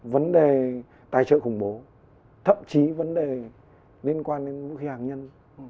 vấn đề tài trợ khủng bố thậm chí vấn đề liên quan đến mức hàng nhân